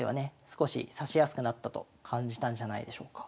少し指しやすくなったと感じたんじゃないでしょうか。